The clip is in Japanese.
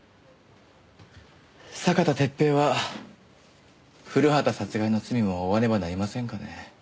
酒田鉄平は古畑殺害の罪も負わねばなりませんかね？